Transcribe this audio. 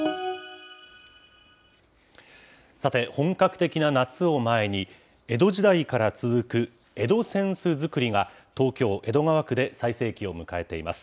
さて、本格的な夏を前に、江戸時代から続く江戸扇子作りが、東京・江戸川区で最盛期を迎えています。